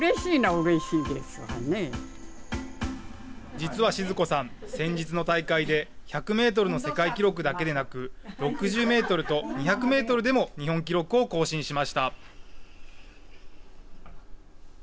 実は静子さん、先日の大会で１００メートルの世界記録だけでなく６０メートルと２００メートルでも日本記録を更新しました。